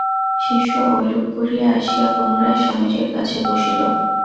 শিষ্য ঐরূপ করিয়া আসিয়া পুনরায় স্বামীজীর কাছে বসিল।